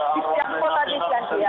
di kota islandia